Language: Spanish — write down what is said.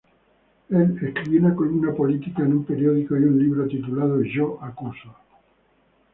Él escribió una columna política en un periódico y un libro, titulado Yo Acuso.